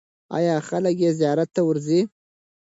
آیا خلک یې زیارت ته ورځي؟